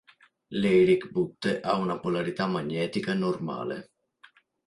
L'Hayrick Butte ha una polarità magnetica normale.